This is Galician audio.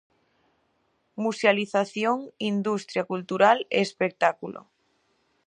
Musealización, industria cultural e espectáculo.